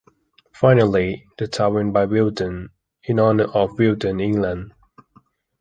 Finally, the town went by Wilton, in honor of Wilton, England.